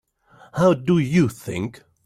How do you think?